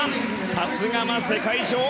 さすがは世界女王。